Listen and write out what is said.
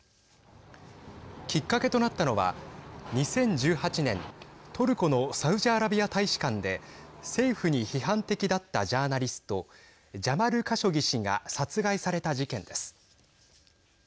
きっかけとなったのは２０１８年トルコのサウジアラビア大使館で政府に批判的だったジャーナリストジャマル・カショギ氏が殺害された事件です。